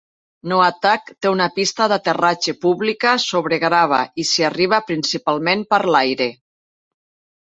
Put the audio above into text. Noatak té una pista d'aterratge pública sobre grava i s'hi arriba principalment per l'aire.